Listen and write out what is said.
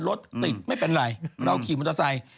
รถติดไม่เป็นไรเราขี่มอเตอร์ไซค์